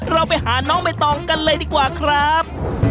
เราไปหาน้องใบตองกันเลยดีกว่าครับ